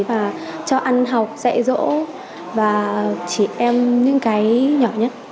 và cho ăn học dạy dỗ và chị em những cái nhỏ nhất